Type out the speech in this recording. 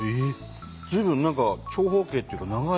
随分何か長方形っていうか長い。